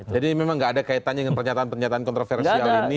jadi ini memang nggak ada kaitannya dengan pernyataan pernyataan kontroversial ini